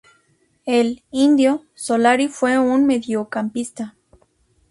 El "Indio" Solari fue un mediocampista.